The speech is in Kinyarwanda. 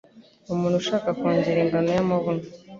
umuntu ushaka kongera ingano y'amabuno